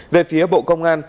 về phía bộ công an